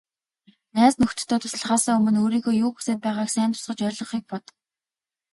Найз нөхдөдөө туслахаасаа өмнө өөрийнхөө юу хүсээд байгааг сайн тусгаж ойлгохыг бод.